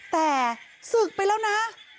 แต่ศึกไปแล้วนะ